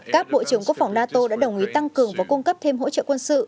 các bộ trưởng quốc phòng nato đã đồng ý tăng cường và cung cấp thêm hỗ trợ quân sự